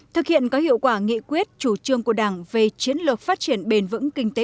thực hiện có hiệu quả nghị quyết chủ trương của đảng về chiến lược phát triển bền vững kinh tế